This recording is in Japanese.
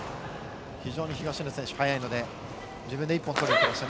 非常に東野選手速いので自分で１本、取りにきました。